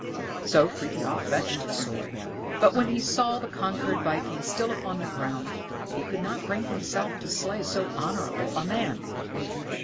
So Frithiof fetched his sword, but when he saw the conquered viking still upon the ground, he could not bring himself to slay so honorable a man.